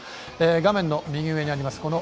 画面の右上にあります